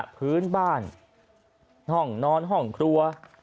พื้นบ้านห้องนอนห้องครัว